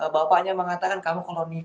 bapaknya mengatakan kamu kalau niat